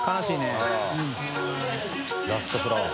ラストフラワー。